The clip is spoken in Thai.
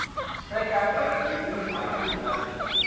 ในการเปิดบัญชีซื้อขายหุ้นนั้น